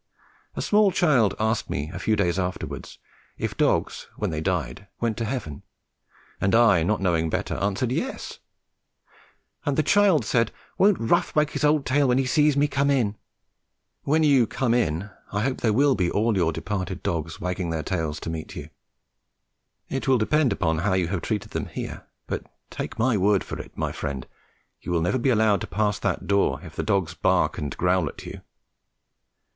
A small child asked me a few days afterwards if dogs when they died went to heaven, and I, not knowing better, answered, "Yes"; and the child said, "Won't Rough wag his old tail when he sees me come in?" When you "come in" I hope there will be all your departed dogs wagging their tails to meet you. It will depend upon how you have treated them here; but take my word for it, my friend, you will never be allowed to pass that door if the dogs bark and growl at you.